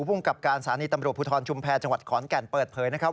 ภูมิกับการสถานีตำรวจภูทรชุมแพรจังหวัดขอนแก่นเปิดเผยนะครับ